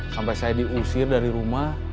sampai saya diusir dari rumah